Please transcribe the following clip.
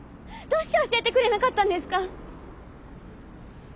どうして教えてくれなかったんですか？